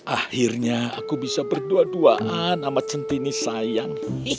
akhirnya aku bisa berdua duaan sama centi ini sayang